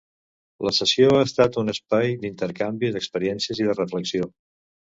La sessió ha estat un espai d'intercanvi d'experiències i de reflexió.